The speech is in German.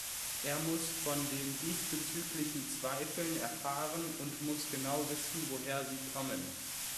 Er muss von den diesbezüglichen Zweifeln erfahren und muss genau wissen, woher sie kommen.